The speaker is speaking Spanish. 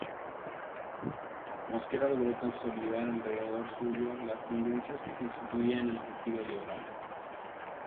Mosquera logró consolidar alrededor suyo las tendencias que constituían el partido liberal.